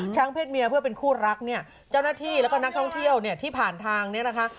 เพศเมียเพื่อเป็นคู่รักเนี่ยเจ้าหน้าที่แล้วก็นักท่องเที่ยวเนี่ยที่ผ่านทางเนี่ยนะคะ